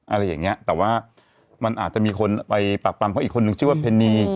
อะไรอย่างเงี้ยแต่ว่ามันอาจจะมีคนไปปากปรำเขาอีกคนนึงชื่อว่าเพนี